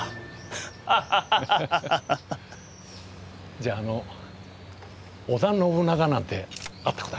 じゃああの織田信長なんて会ったことありますか？